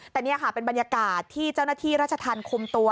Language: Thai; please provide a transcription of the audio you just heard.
แต่นี่ค่ะเป็นบรรยากาศที่เจ้าหน้าที่ราชธรรมคุมตัว